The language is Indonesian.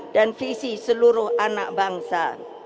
dan visi seluruh anak bangsa